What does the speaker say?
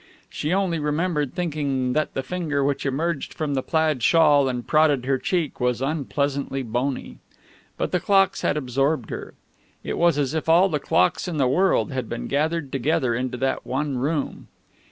She only remembered thinking that the finger which emerged from the plaid shawl and prodded her cheek was unpleasantly bony. But the clocks had absorbed her. It was as if all the clocks in the world had been gathered together into that one room.